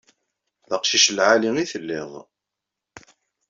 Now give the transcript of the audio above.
D aqcic n lɛali i telliḍ.